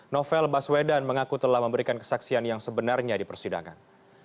novel baswedan mengaku telah memberikan kesaksian yang sebenarnya di persidangan